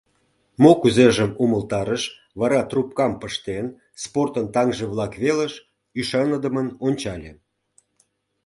Мо-кузежым умылтарыш, вара, трупкам пыштен, спортын таҥже-влак велыш ӱшаныдымын ончале.